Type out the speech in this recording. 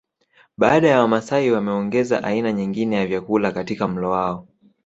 Baadhi ya wamasai wameongeza aina nyingine za vyakula katika mlo wao